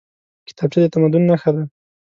کتابچه د تمدن نښه ده